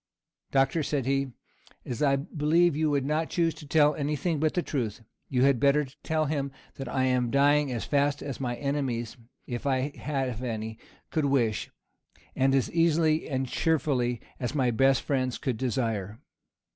"Doctor," said he, "as I believe you would not choose to tell any thing but the truth, you had better tell him that I am dying as fast as my enemies, if I have any, could wish, and as easily and cheerfully as my best friends could desire."